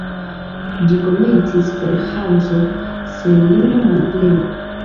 Ĝi komencis per Ĥaoso, senlima malpleno.